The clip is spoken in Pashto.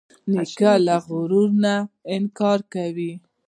نیکه له غرور نه انکار کوي.